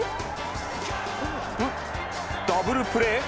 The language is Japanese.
ダブルプレー？